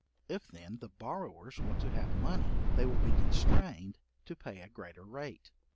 If, then, the borrowers want to have money, they will be constrained to pay a greater rate.